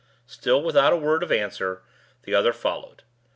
Still, without a word of answer, the other followed.